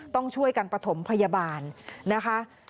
ต้องช่วยกันประถมพยาบาลนะคะ